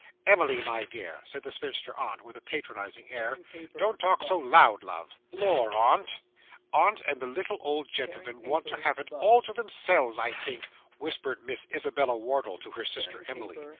'Emily, my dear,' said the spinster aunt, with a patronising air, 'don't talk so loud, love.' 'Lor, aunt!' 'Aunt and the little old gentleman want to have it all to themselves, I think,' whispered Miss Isabella Wardle to her sister Emily.